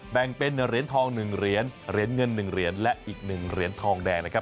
แบ่งเป็นเหรียญทอง๑เหรียญเหรียญเงิน๑เหรียญและอีก๑เหรียญทองแดงนะครับ